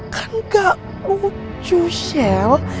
kan gak lucu shell